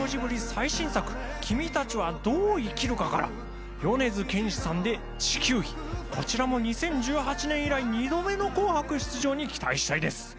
最新作『君たちはどう生きるか』から米津玄師さんで『地球儀』こちらも２０１８年以来２度目の『紅白』出場に期待したいです。